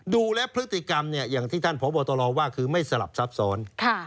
ดูและพฤติกรรมอย่างที่ท่านพบตรว่าคือไม่สลับซับซ้อน